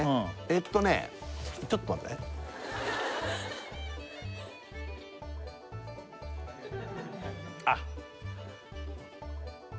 えっとねちょっと待ってねあっ